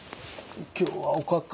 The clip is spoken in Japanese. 今日はおかか。